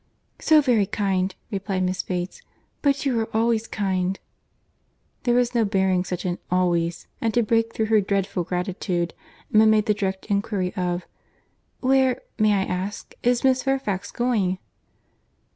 "So very kind!" replied Miss Bates. "But you are always kind." There was no bearing such an "always;" and to break through her dreadful gratitude, Emma made the direct inquiry of— "Where—may I ask?—is Miss Fairfax going?"